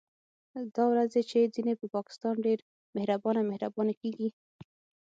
دا ورځې چې ځينې په پاکستان ډېر مهربانه مهربانه کېږي